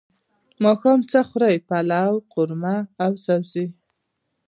ماښام څه خورئ؟ پلاو، قورمه او سبزی